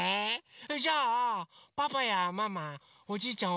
それじゃあパパやママおじいちゃん